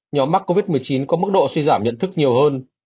nhóm mắc covid một mươi chín có mức độ suy giảm nhận thức nhiều hơn